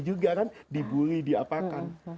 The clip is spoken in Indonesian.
juga kan dibully diapakan